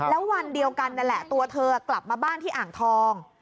แล้ววันเดียวกันนั่นแหละตัวเธอกลับมาบ้านที่อ่างทอง